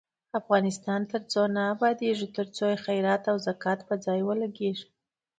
افغانستان تر هغو نه ابادیږي، ترڅو خیرات او زکات په ځای ولګیږي.